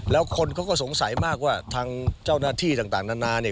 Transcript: แล้วคนเขาก็สงสัยมากว่าทางเจ้าหน้าที่ต่างนานาเนี่ย